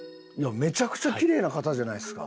めちゃくちゃキレイな方じゃないですか。